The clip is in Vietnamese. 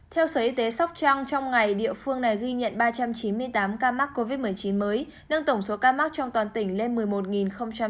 theo sở y tế sóc trăng trong ngày địa phương này ghi nhận ba trăm chín mươi tám ca mắc covid một mươi chín mới nâng tổng số ca mắc trong toàn tỉnh lên một mươi một ba ca